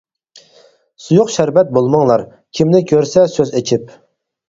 سۇيۇق شەربەت بولماڭلار، كىمنى كۆرسە سۆز ئېچىپ.